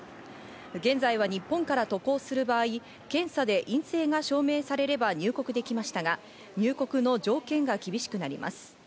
現在は日本から渡航する場合、検査で陰性が証明されれば入国できましたが、入国の条件が厳しくなります。